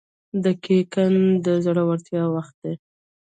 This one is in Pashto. • دقیقه د زړورتیا وخت دی.